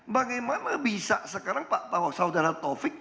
bagaimana bisa sekarang pak saudara taufik